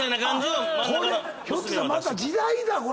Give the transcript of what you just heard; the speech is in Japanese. ひょっとしたらまた時代だ！